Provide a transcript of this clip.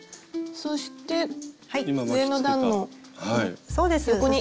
そして上の段の横に。